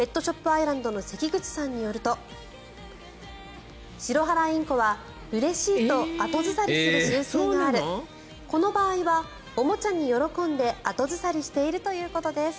アイランドの関口さんによるとシロハラインコはうれしいと後ずさりする習性があるこの場合はおもちゃに喜んで後ずさりしているということです。